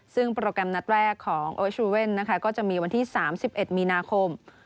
ซึ่งโปรแกรมนัดแรกของโอชูเว่นนะคะก็จะมีวันที่๓๑มีนาคม